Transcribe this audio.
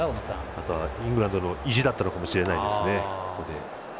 またはイングランドの意地だったのかもしれませんね。